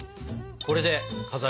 これでさ。